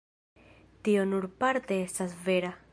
Tio nur parte estas vera.